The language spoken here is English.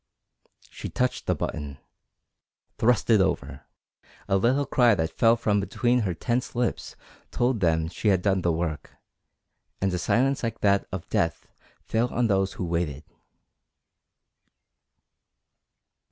She touched the button thrust it over. A little cry that fell from between her tense lips told them she had done the work, and a silence like that of death fell on those who waited.